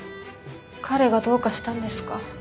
彼がどうかしたんですか？